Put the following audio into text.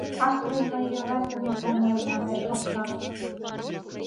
— Ах, тый, мыйын йӧратыме таҥем! — манеш окшак.